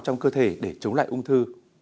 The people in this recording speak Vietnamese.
trong cơ thể để chống lại ung thư